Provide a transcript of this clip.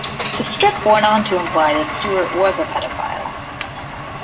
The strip went on to imply that Stewart was a pedophile.